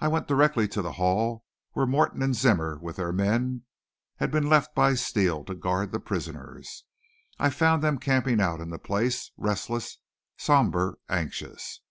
I went directly to the hall where Morton and Zimmer, with their men, had been left by Steele to guard the prisoners. I found them camping out in the place, restless, somber, anxious.